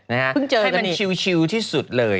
ให้มันชิวที่สุดเลย